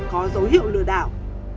có dấu hiệu lừa đảo